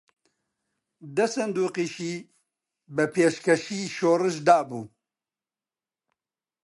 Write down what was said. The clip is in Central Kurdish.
دە سندووقیشی بە پێشکەشی شۆڕش دابوو